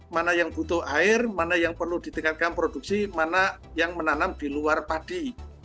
mana yang butuh air mana yang perlu ditingkatkan produksi mana yang menanam di luar padi